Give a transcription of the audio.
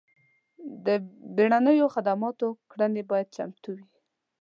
د بیړنیو خدماتو کړنې باید چمتو وي.